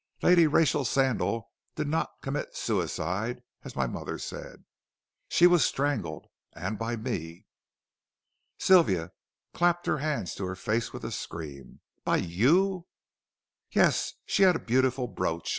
Lady Rachel Sandal did not commit suicide as my mother said. She was strangled, and by me." Sylvia clapped her hands to her face with a scream. "By you?" "Yes. She had a beautiful brooch.